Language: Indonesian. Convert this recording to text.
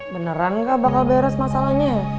beneran gak bakal beres masalahnya